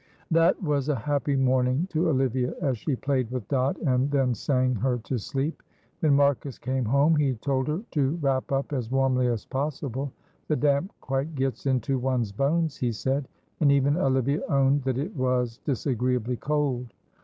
That was a happy morning to Olivia, as she played with Dot, and then sang her to sleep. When Marcus came home he told her to wrap up as warmly as possible. "The damp quite gets into one's bones," he said; and even Olivia owned that it was disagreeably cold.